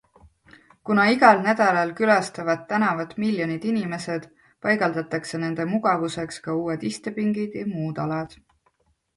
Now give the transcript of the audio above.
Kuna igal nädalal külastavad tänavat miljonid inimesed, paigaldatakse nende mugavuseks ka uued istepingid ja muud alad.